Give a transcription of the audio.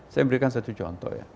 saya memberikan satu contoh ya